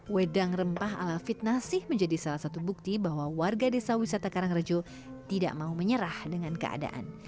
wedang rempah ala fitnasi menjadi salah satu bukti bahwa warga desa wisata karangrejo tidak mau menyerah dengan keadaan